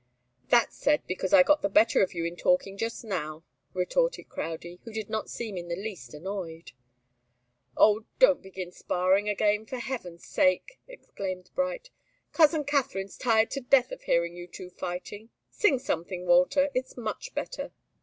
"That's said because I got the better of you in talking just now," retorted Crowdie, who did not seem in the least annoyed. "Oh, don't begin sparring again, for heaven's sake!" exclaimed Bright. "Cousin Katharine's tired to death of hearing you two fighting. Sing something, Walter. It's much better."